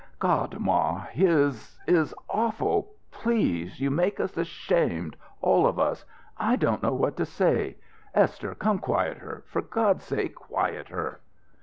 "God, ma, his is awful! Please you make us ashamed all of us! I don't know what to say. Esther, come quiet her for God's sake quiet her!"